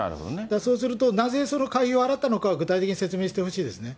そうすると、なぜ、その会費を払ったのかを具体的に説明してほしいですね。